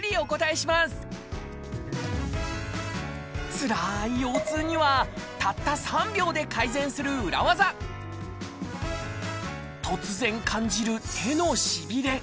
つらい腰痛にはたった３秒で改善する裏技突然感じる手のしびれ。